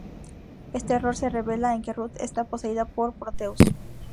Este error se revela en que Ruth está poseída por Proteus.